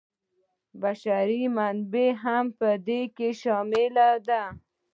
بشري منابع هم په دې کې شامل دي.